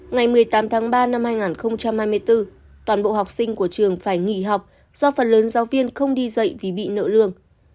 ngày một mươi tám tháng ba năm hai nghìn hai mươi bốn toàn bộ học sinh của trường phải nghỉ học do phần lớn giáo viên không đi dạy vì bị nợ lương